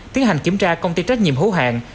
tiến hành kiểm tra công ty trách nhiệm hữu hạn